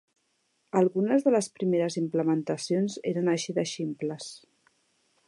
Algunes de les primeres implementacions eren així de ximples.